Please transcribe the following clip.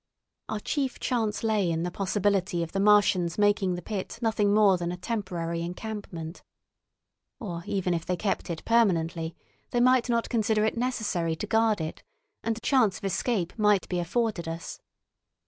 Our chief chance lay in the possibility of the Martians making the pit nothing more than a temporary encampment. Or even if they kept it permanently, they might not consider it necessary to guard it, and a chance of escape might be afforded us.